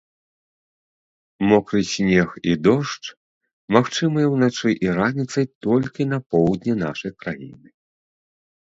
Мокры снег і дождж магчымыя ўначы і раніцай толькі на поўдні нашай краіны.